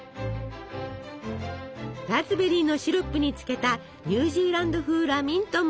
ラズベリーのシロップにつけたニュージーランド風ラミントンも誕生！